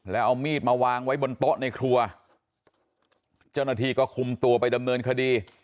แล้วเอามีดมาวางไว้บนโต๊ะในครัวเจ้าหน้าที่ก็คุมตัวไปดำเนินคดี